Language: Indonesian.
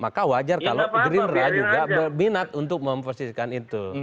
maka wajar kalau gerindra juga berminat untuk memposisikan itu